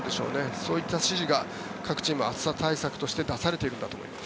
そういった指示が各チーム、暑さ対策として出されているんだと思います。